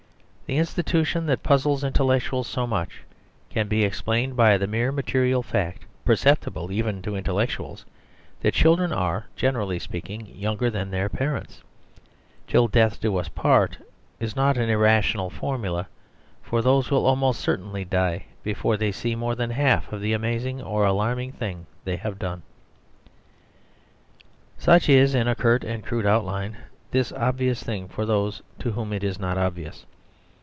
The institution that puzzles in tellectuals so much can be explained by the mere material fact (perceptible even to intel lectuals) that children are, generally speak ing, younger than their parents. "Till death do us part" is not an irrational formula, for those will almost certainly die before they see more than half of the amazing (or alarming) thing they have done. 80 The Superstition of Divorce Such is, in a curt and crude outline, this obvious thing for those to whom it is not obvious.